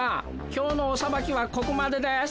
今日のおさばきはここまでです。